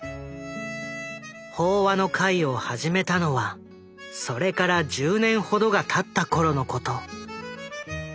法話の会を始めたのはそれから１０年ほどがたった頃のこと。